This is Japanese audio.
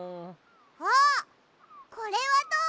あっこれはどう？